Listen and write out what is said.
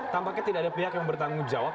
tampaknya tidak ada pihak yang bertanggung jawab